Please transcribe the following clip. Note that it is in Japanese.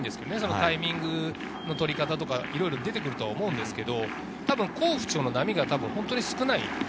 タイミングの取り方とかいろいろ出てくると思うんですけれど、好不調の波が少ない。